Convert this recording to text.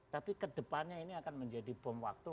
tapi kedepannya ini akan menjadi bom waktu